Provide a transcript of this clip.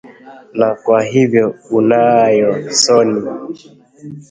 Na, kwa hivyo unayo soni